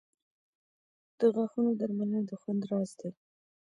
• د غاښونو درملنه د خوند راز دی.